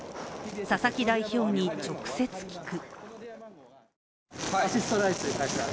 佐々木代表に直接聞く。